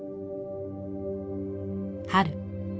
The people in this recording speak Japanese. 春。